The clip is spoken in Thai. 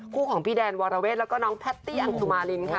ของพี่แดนวรเวทแล้วก็น้องแพตตี้อังสุมารินค่ะ